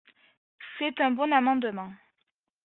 C’est un bon amendement.